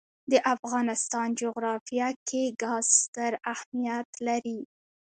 د افغانستان جغرافیه کې ګاز ستر اهمیت لري.